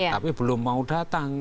tapi belum mau datang